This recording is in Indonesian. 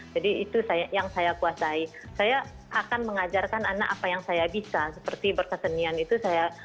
jadi itu saya yang saya kuasai saya akan mengajarkan anak apa yang saya bisa seperti berkesenian itu saya